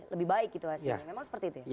lebih baik gitu hasilnya memang seperti itu ya